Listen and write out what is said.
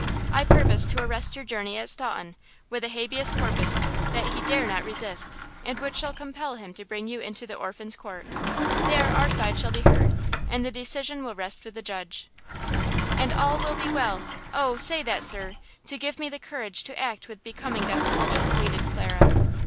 I purpose to arrest your journey at Staunton with a habeas corpus that he dare not resist, and which shall compel him to bring you into the Orphans' Court. There our side shall be heard, and the decision will rest with the judge." "And all will be well! Oh, say that, sir! to give me the courage to act with becoming docility," pleaded Clara.